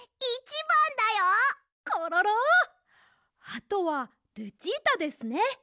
あとはルチータですね。